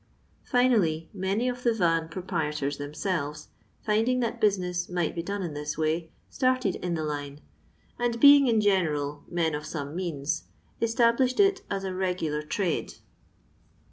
Finally, many of the van pro prietors themselves, finding that business might be done in this way, started in the line, and, being in general men of some means, established it as a regular trade.